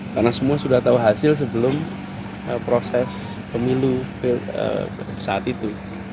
karena semua sudah tahu hasil sebelum proses pemilu saat itu